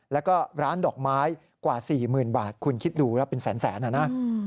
แล้วก็ร้านดอกไม้กว่า๔๐๐๐บาทคุณคิดดูแล้วเป็นแสนนะนะ